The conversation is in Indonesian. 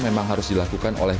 memang harus dilakukan oleh